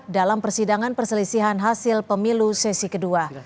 dalam persidangan perselisihan hasil pemilu sesi kedua